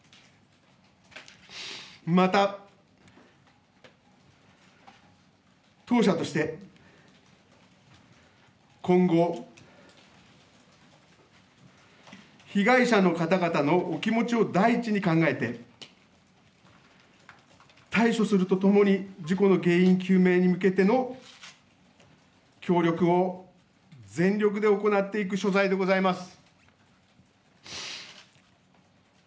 また、当社として今後、被害者の方々のお気持ちを第一に考えて対処するとともに事故の原因究明に向けての協力を全力で行っていく所存でございます。